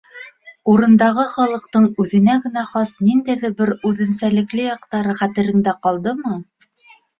— Урындағы халыҡтың үҙенә генә хас ниндәйҙер бер үҙенсәлекле яҡтары хәтереңдә ҡалдымы?